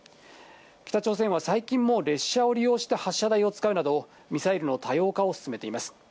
北朝鮮は最近も、列車を利用した発射台を使うなど、ミサイルの多様化を進めています。